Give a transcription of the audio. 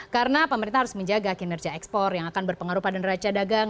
karena pemerintah harus menjaga kinerja ekspor yang akan berpengaruh pada neraca dagang